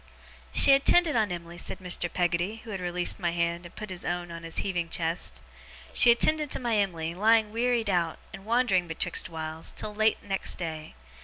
'She attended on Em'ly,' said Mr. Peggotty, who had released my hand, and put his own hand on his heaving chest; 'she attended to my Em'ly, lying wearied out, and wandering betwixt whiles, till late next day.